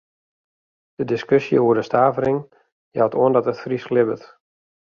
De diskusje oer de stavering jout oan dat it Frysk libbet.